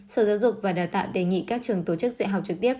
sở giáo dục và đào tạo đề nghị các trường tổ chức dạy học trực tiếp